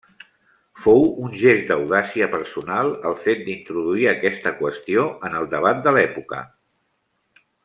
Fou un gest d'audàcia personal, el fet d'introduir aquesta qüestió en el debat de l'època.